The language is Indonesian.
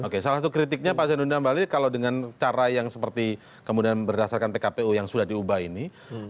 oke salah satu kritiknya pak zainuddin ambali kalau dengan cara yang seperti kemudian berdasarkan pkpu yang sudah diubah ini